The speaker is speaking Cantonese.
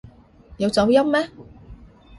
有走音咩？